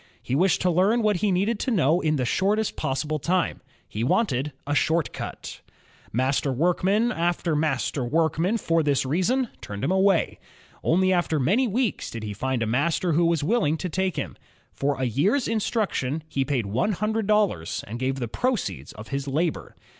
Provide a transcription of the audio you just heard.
He wished to learn what he needed to know in the shortest possible time; he wanted a "short cut.'' Master workman after master workman for this reason turned him away. Only after many weeks did he find a master who was willing to take him. For a year's instruction, he paid one hundred dollars and gave the proceeds of his labor.